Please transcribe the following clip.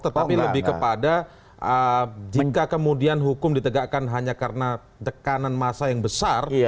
tetapi lebih kepada jika kemudian hukum ditegakkan hanya karena tekanan massa yang besar